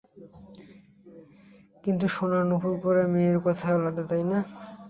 কিন্তু সোনার নূপুর পরা পায়ের কথাই আলাদা, তাই না?